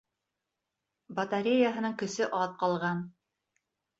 Батареяһының көсө аҙ ҡалған.